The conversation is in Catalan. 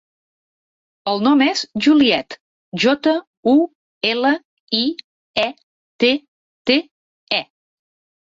El nom és Juliette: jota, u, ela, i, e, te, te, e.